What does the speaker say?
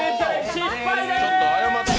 失敗でーす。